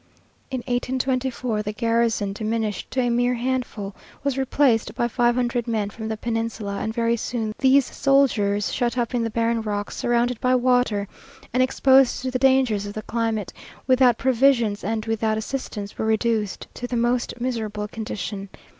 In 1824 the garrison, diminished to a mere handful, was replaced by five hundred men from the peninsula; and very soon these soldiers, shut up on the barren rocks, surrounded by water, and exposed to the dangers of the climate, without provisions and without assistance, were reduced to the most miserable condition.